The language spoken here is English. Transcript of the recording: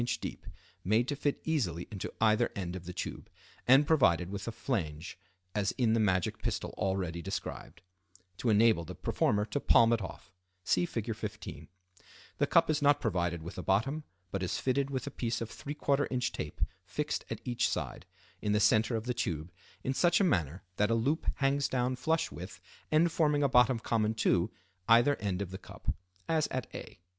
deep, made to fit easily into either end of the tube, and provided with a flange as in the magic pistol already described, to enable the performer to palm it off (see Fig. 15). The cup is not provided with a bottom, but is fitted with a piece of ¾ in. tape fixed at each side, in the center of the tube, in such a manner that a loop hangs down flush with, and forming a bottom common to, either end of the cup (as at A). Fig. 15. Brass Tube for Handkerchief Tricks.